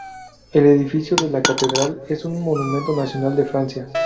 El edificio de la catedral es un monumento nacional de Francia.